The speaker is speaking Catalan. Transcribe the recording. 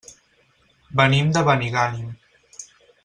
Venim de Benigànim.